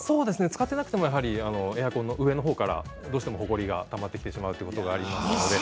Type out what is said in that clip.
使ってなくてもやはりエアコンの上のほうからどうしてもほこりがたまってきてしまうということがありますので。